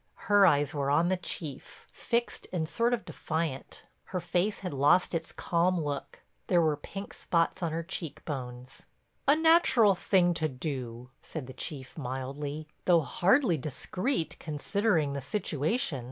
Her eyes were on the Chief, fixed and sort of defiant. Her face had lost its calm look; there were pink spots on her cheek bones. "A natural thing to do," said the Chief mildly, "though hardly discreet considering the situation.